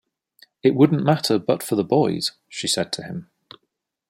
“It wouldn’t matter but for the boys,” she said to him.